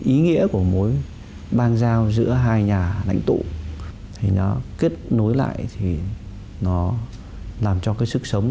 ý nghĩa của mối ban giao giữa hai nhà lãnh tụ thì nó kết nối lại thì nó làm cho cái sức sống